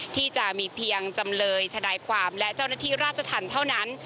ที่จะมีเพียงจำเลยทนายความและเจ้าหน้าที่ราชธรรมเท่านั้น